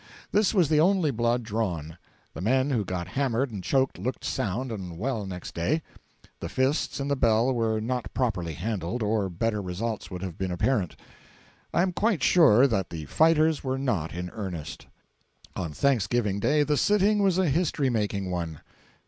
This was the only blood drawn. The men who got hammered and choked looked sound and well next day. The fists and the bell were not properly handled, or better results would have been apparent. I am quite sure that the fighters were not in earnest. On Thanksgiving Day the sitting was a history making one.